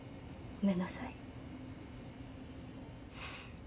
ごめんなさい！